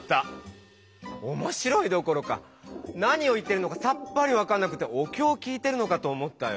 おもしろいどころか何を言ってるのかさっぱり分からなくておきょう聞いてるのかと思ったよ。